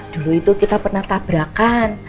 dulu itu kita pernah tabrakan